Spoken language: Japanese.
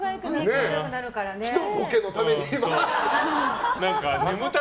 ひとボケのために。